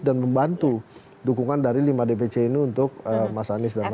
dan membantu dukungan dari lima dpc ini untuk mas anies dan mas andi